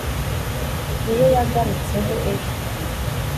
niyo yagarutseho ejo